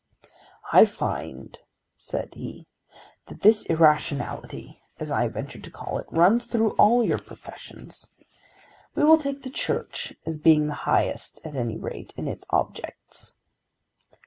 "I find," said he, "that this irrationality, as I have ventured to call it, runs through all your professions. We will take the Church as being the highest at any rate in its objects."